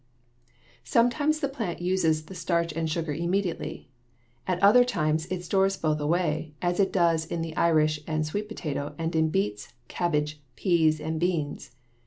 Sometimes the plant uses the starch and sugar immediately. At other times it stores both away, as it does in the Irish and the sweet potato and in beets, cabbage, peas, and beans.